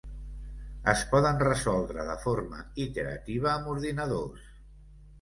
Es poden resoldre de forma iterativa amb ordinadors.